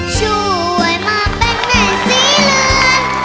ช่วยมาเป็นแม่สีเหลือง